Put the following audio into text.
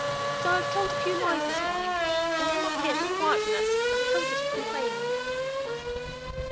So I have told a few lies this morning, and come off here for quietness and the comfort of complaining!"